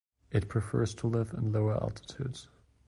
It prefers to live in lower altitudes.